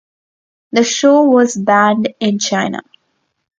The show was banned in China.